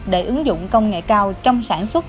để ứng dụng công nghệ cao trong sản xuất